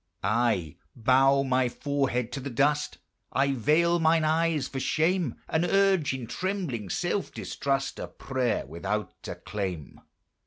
I bow my forehead to the dust, I veil mine eyes for shame, And urge, in trembling self distrust, A prayer without a claim.